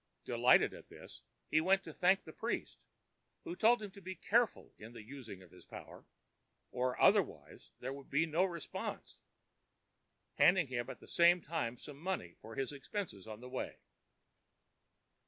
Delighted at this, he went in to thank the priest, who told him to be careful in the use of his power, or otherwise there would be no response, handing him at the same time some money for his expenses on the way.